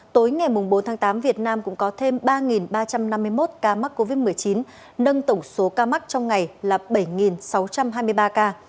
tối ngày bốn tháng tám việt nam cũng có thêm ba ba trăm năm mươi một ca mắc covid một mươi chín nâng tổng số ca mắc trong ngày là bảy sáu trăm hai mươi ba ca